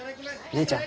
姉ちゃん。